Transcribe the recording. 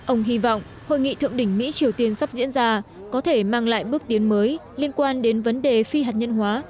ông hy vọng hội nghị thượng đỉnh mỹ triều tiên sắp diễn ra có thể mang lại bước tiến mới liên quan đến vấn đề phi hạt nhân hóa